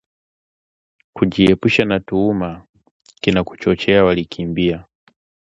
Kujiepusha na tuhuma, kina Kuchochea walikimbia